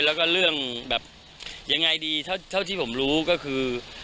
แล้วก็เรื่องแบบยังไงดีเท่าที่ผมรู้ก็คือ